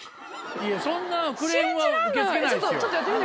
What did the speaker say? そんなクレームは受け付けないですよ。